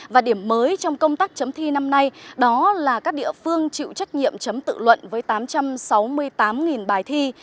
và điểm mới trong công tác chấm thi năm nay đó là các địa phương chịu trách nhiệm chấm tự luận với tám trăm sáu mươi tám bài thi